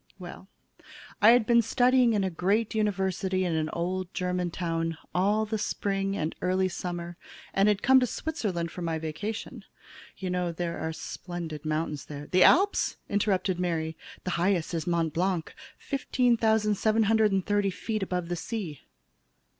"Well, I had been studying in a great university in an old German town all the spring and early summer and had come to Switzerland for my vacation. You know there are splendid mountains there " "The Alps," interrupted Mary. "The highest is Mt. Blanc, 15,730 feet above the sea."